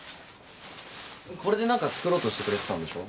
これで何か作ろうとしてくれてたんでしょ？